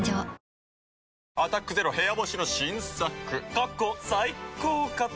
過去最高かと。